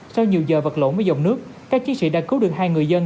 sau nhiều giờ vật lộn với dòng nước các chiến sĩ đã cứu được hai người dân